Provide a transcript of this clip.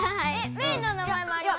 メイの名前もありますよ。